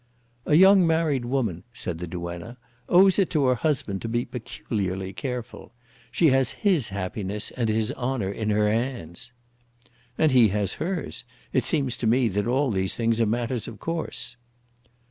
"A young married woman," said the duenna, "owes it to her husband to be peculiarly careful. She has his happiness and his honour in her hands." "And he has hers. It seems to me that all these things are matters of course."